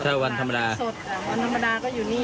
แต่เท่าวันธรรมดา